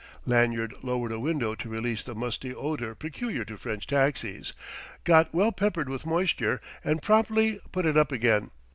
Lanyard lowered a window to release the musty odour peculiar to French taxis, got well peppered with moisture, and promptly put it up again.